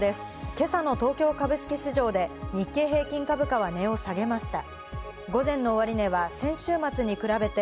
今朝の東京株式市場で日経平均株価は値を下げました。